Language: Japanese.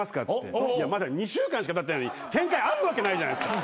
まだ２週間しかたってないのに展開あるわけないじゃないですか。